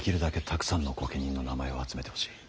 たくさんの御家人の名前を集めてほしい。